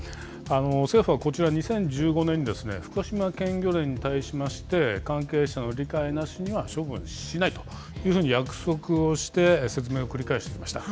政府は、こちら２０１５年に、福島県漁連に対しまして、関係者の理解なしには処分しないというふうに約束をして、説明を繰り返してきました。